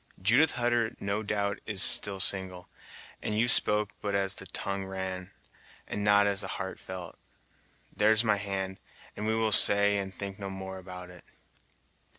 Judith Hutter no doubt is still single, and you spoke but as the tongue ran, and not as the heart felt. There's my hand, and we will say and think no more about it."